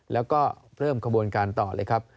แล้วก็เพิ่มขบวนการต่อเลยครับ